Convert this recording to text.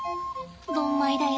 ドンマイだよ！